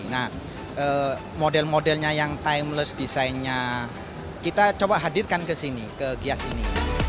nah model modelnya yang timeless desainnya kita coba hadirkan ke sini ke gias ini